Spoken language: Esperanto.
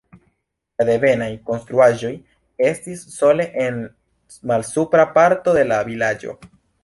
La devenaj konstruaĵoj estis sole en malsupra parto de la vilaĝo.